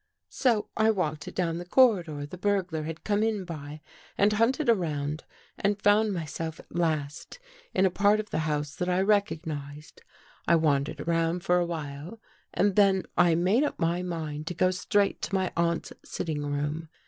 So I walked down the corridor the burglar had come in by and hunted around and found myself at last in a part of the house that I recognized. I wandered around for a while and then I made up my mind to go straight to my aunt's sitting room.